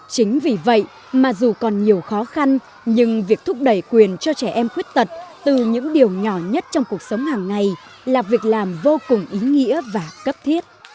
chính vì vậy mà dù còn nhiều khó khăn nhưng việc thúc đẩy quyền cho trẻ em khuyết tật từ những điều nhỏ nhất trong cuộc sống hàng ngày là việc làm vô cùng ý nghĩa và cấp thiết